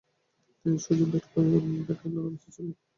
তিনি সোজা ব্যাটে খেলতে অনভ্যস্ত ছিলেন।